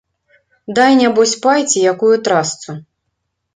Дай нябось пай ці якую трасцу.